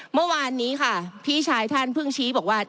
เมื่อวานนี้ค่ะพี่ชายท่านเพิ่งชี้บอกว่า